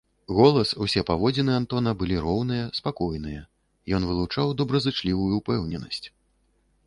Голас, усе паводзіны Антона былі роўныя, спакойныя, ён вылучаў добразычлівую ўпэўненасць.